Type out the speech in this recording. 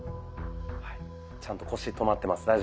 はいちゃんと腰止まってます。